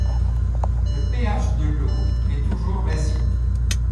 Le pH de l'eau est toujours basique.